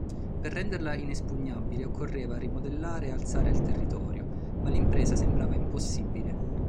Per renderla inespugnabile occorreva rimodellare e alzare il territorio, ma l'impresa sembrava impossibile.